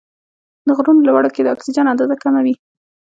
د غرونو لوړو کې د اکسیجن اندازه کمه وي.